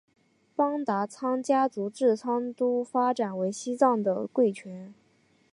邦达仓家族自昌都发展为西藏的权贵。